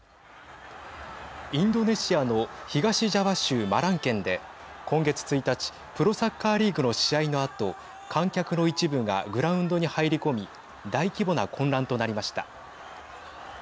インドネシアの東ジャワ州マラン県で今月１日プロサッカーリーグの試合のあと観客の一部がグラウンドに入り込み大規模な混乱となりました。